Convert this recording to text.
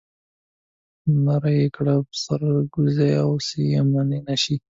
نعره يې کړه چې سرکوزيه اوس يې منې که نه منې.